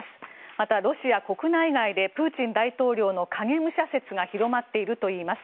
またロシア国内外でプーチン大統領の影武者説が広まっているといいます。